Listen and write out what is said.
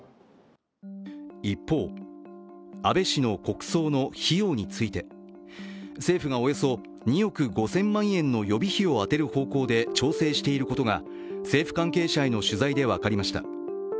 一方、安倍氏の国葬の費用について政府がおよそ２億５０００万円の予備費を充てる方向で調整していることが政府関係者への取材で分かりました。